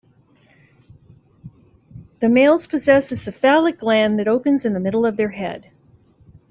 The males possess a cephalic gland that opens in the middle of their head.